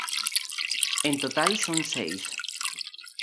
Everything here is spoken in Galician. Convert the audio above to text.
En total son seis.